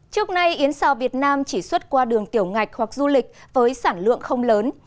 trước nay yến sao việt nam chỉ xuất qua đường tiểu ngạch hoặc du lịch với sản lượng không lớn